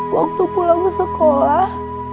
waktu pulang sekolah